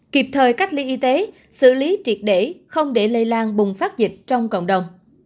kịp thời cách ly y tế xử lý triệt để không để lây lan bùng phát dịch trong cộng đồng